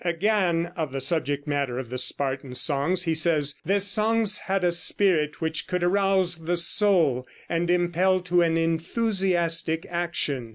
Again, of the subject matter of the Spartan songs, he says: "Their songs had a spirit which could arouse the soul and impel to an enthusiastic action.